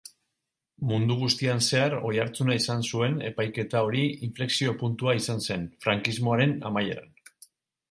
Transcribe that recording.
Mundu guztian zehar oihartzuna izan zuen epaiketa hori inflexio-puntua izan zen frankismoaren amaieran.